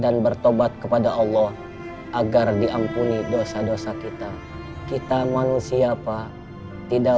dan bertobat kepada allah agar diampuni dosa dosa kita kita manusia pak tidak